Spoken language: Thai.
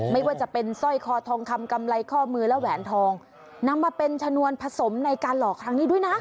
ไม่ว่าจะเป็นสร้อยคอทองคำกำไรข้อมือและแหวนทองนำมาเป็นชนวนผสมในการหลอกครั้งนี้ด้วยนะ